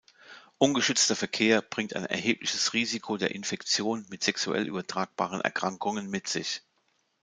Ungeschützter Verkehr bringt ein erhebliches Risiko der Infektion mit sexuell übertragbaren Erkrankungen mit sich.